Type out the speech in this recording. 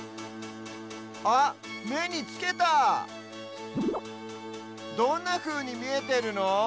あっめにつけたどんなふうにみえてるの？